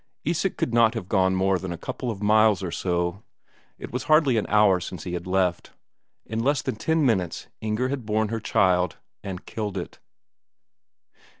Isak could not have gone more than a couple of miles or so. It was hardly an hour since he had left. In less than ten minutes Inger had borne her child and killed it....